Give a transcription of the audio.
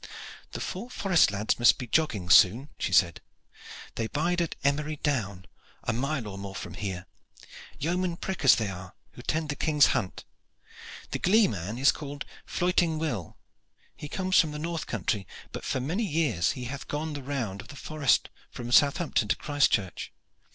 "The four forest lads must be jogging soon," she said. "They bide at Emery Down, a mile or more from here. Yeomen prickers they are, who tend to the King's hunt. The gleeman is called Floyting Will. He comes from the north country, but for many years he hath gone the round of the forest from Southampton to Christchurch.